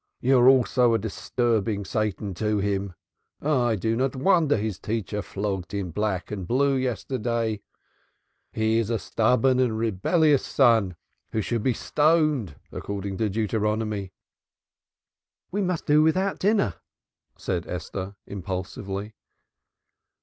Thou art also a disturbing Satan to him. I do not wonder his teacher flogged him black and blue yesterday he is a stubborn and rebellious son who should be stoned, according to Deuteronomy." "We must do without dinner," said Esther impulsively.